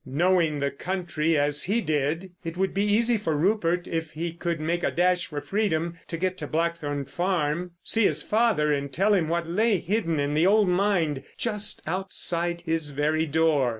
Knowing the country as he did it would be easy for Rupert, if he could make a dash for freedom, to get to Blackthorn Farm, see his father and tell him what lay hidden in the old mine just outside his very door.